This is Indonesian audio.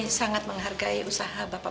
ini sangat menghargai usaha bapak